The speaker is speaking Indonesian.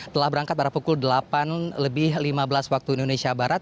telah berangkat pada pukul delapan lebih lima belas waktu indonesia barat